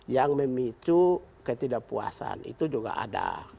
yang memicu ketidakpuasan itu juga ada